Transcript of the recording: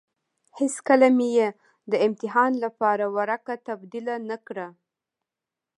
هېڅکله مې يې د امتحان لپاره ورقه تبديله نه کړه.